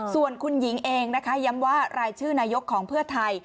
ส่วนคุณหญิงเองนะคะย้ำว่ารายชื่อนายกของเพื่อไทย